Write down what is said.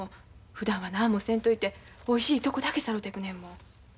ふだんは何もせんといておいしいとこだけさろっていくねんもん。